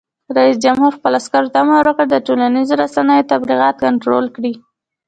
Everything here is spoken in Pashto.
رئیس جمهور خپلو عسکرو ته امر وکړ؛ د ټولنیزو رسنیو تبلیغات کنټرول کړئ!